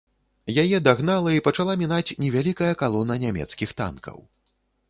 Яе дагнала і пачала мінаць невялікая калона нямецкіх танкаў.